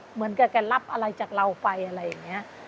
เหมือนกับแกรับอะไรจากเราไปอะไรอย่างนี้